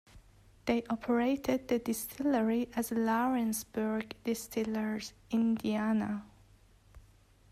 They operated the distillery as Lawrenceburg Distillers Indiana.